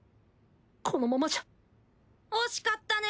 このままじゃ惜しかったね。